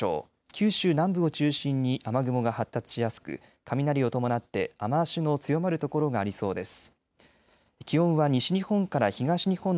九州南部を中心に雨雲が発達しやすく雷を伴って雨足の強まる所がありそうです。